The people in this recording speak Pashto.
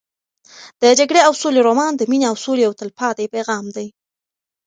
د جګړې او سولې رومان د مینې او سولې یو تلپاتې پیغام دی.